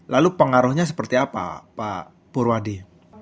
lalu pengaruhnya seperti apa pak purwadi